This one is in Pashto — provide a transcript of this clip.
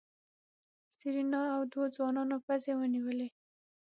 سېرېنا او دوو ځوانانو پزې ونيولې.